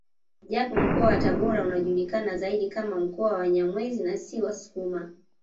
Japo mkoa wa Tabora unajulikana zaidi kama mkoa wa Wanyamwezi na si wasukuma